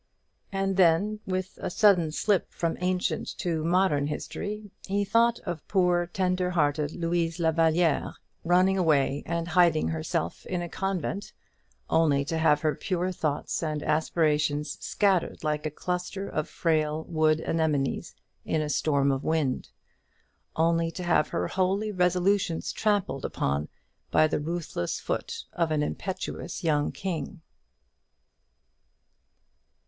And then, with a sudden slip from ancient to modern history, he thought of poor tender hearted Louise la Vallière running away and hiding herself in a convent, only to have her pure thoughts and aspirations scattered like a cluster of frail wood anemones in a storm of wind only to have her holy resolutions trampled upon by the ruthless foot of an impetuous young king.